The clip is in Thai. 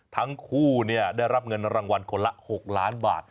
ทั้งคู่ได้รับเงินรางวัลคนละ๖ล้านบาท